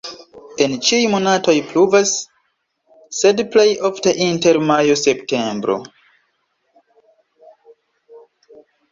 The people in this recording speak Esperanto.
En ĉiuj monatoj pluvas, sed plej ofte inter majo-septembro.